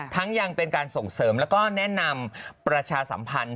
ยังเป็นการส่งเสริมแล้วก็แนะนำประชาสัมพันธ์